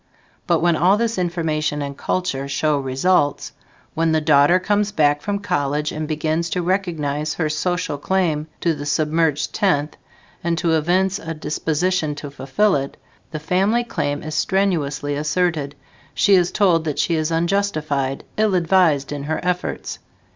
But when all this information and culture show results, when the daughter comes back from college and begins to recognize her social claim to the "submerged tenth", and to evince a disposition to fulfill it, the family claim is strenuously asserted; she is told that she is unjustified, ill advised in her efforts.